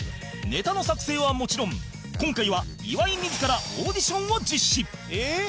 ネタの作成はもちろん今回は岩井自らオーディションを実施